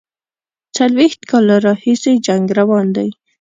څلوېښت کاله راهیسي جنګ روان دی.